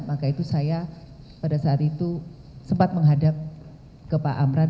maka itu saya pada saat itu sempat menghadap ke pak amran